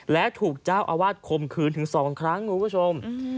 และถูกเจ้าอาวาสคมคืนถึง๒ครั้งคุณผู้ชม